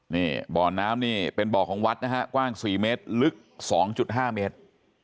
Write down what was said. นี่บ่อน้ำนี่เป็นบ่อของวัดนะฮะกว้าง๔เมตรลึก๒๕เมตร